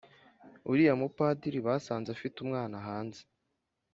uriya mu padiri basanze afite umwana hanze